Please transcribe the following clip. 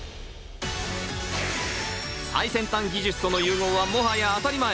最先端技術との融合はもはや当たり前。